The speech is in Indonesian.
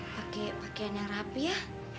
pakai pakaian yang rapi ya